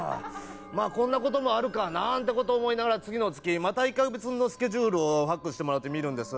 こんなこともあるかなんてこと思いながら、次の月、また１カ月分のスケジュールをＦＡＸしてもらって見るんです。